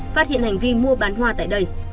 phát hiện hành vi mua bán hoa tại đây